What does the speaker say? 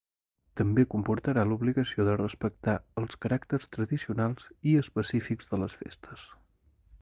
També comportarà l'obligació de respectar els caràcters tradicionals i específics de les festes.